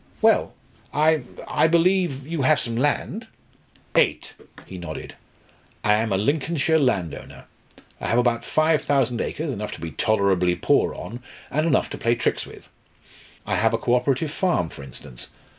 "Well I I believe you have some land?" "Eight!" he nodded "I am a Lincolnshire landowner. I have about five thousand acres enough to be tolerably poor on and enough to play tricks with. I have a co operative farm, for instance.